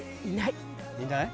いない。